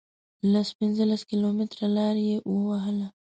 لس پنځلس کیلومتره لار یې ووهله.